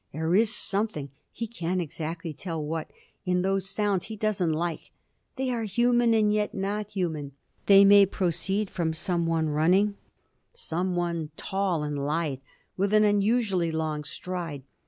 There is something he can't exactly tell what in those sounds he doesn't like; they are human, and yet not human; they may proceed from some one running some one tall and lithe, with an unusually long stride.